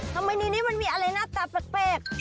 ทำไมตรงนี้มันมีอะไรน่าตัดแตก